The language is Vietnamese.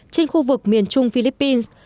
trên khu vực miền trung philippines